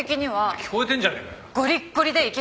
聞こえてんじゃねえかよ。